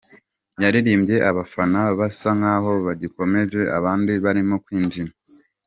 Yaririmbye abafana basa nkaho bagikonje abandi barimo kwinjira.